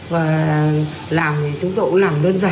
và làm thì chúng tôi cũng làm đơn giản